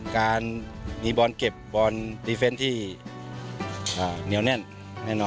การมีบอลเก็บบอลดีเฟนต์ที่เหนียวแน่นแน่นอน